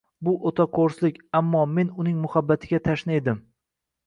Bu o`ta qo`rslik, ammo men uning muhabbatiga tashna edim